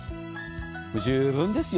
十分ですよ。